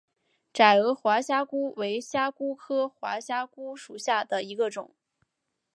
窄额滑虾蛄为虾蛄科滑虾蛄属下的一个种。